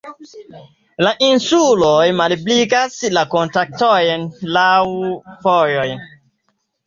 La insulo malebligas la kontaktojn laŭ vojoj.